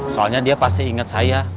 soalnya dia pasti ingat saya